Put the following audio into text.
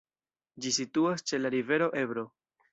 Ĝi situas ĉe la rivero Ebro.